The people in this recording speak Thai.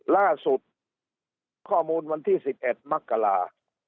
ล่าสุดข้อมูลวันที่สิบเอ็ดมักกะลา